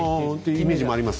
イメージもあります。